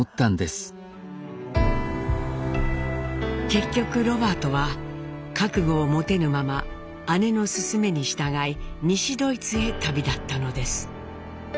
結局ロバートは覚悟を持てぬまま姉の勧めに従い西ドイツへ旅立ったのです。